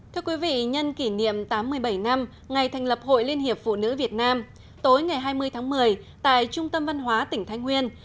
thưa quý vị nhân kỷ niệm tám mươi bảy năm ngày thành lập hội liên hiệp phụ nữ việt nam tối ngày hai mươi tháng một mươi tại trung tâm văn hóa tỉnh thái nguyên